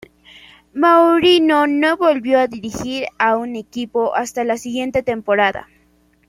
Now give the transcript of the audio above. Mourinho no volvió a dirigir a un equipo hasta la siguiente temporada.